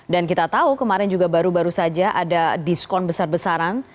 dan kita tahu kemarin juga baru baru saja ada diskon besar besaran